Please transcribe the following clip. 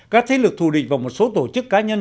các thế lực thù địch và một số tổ chức cá nhân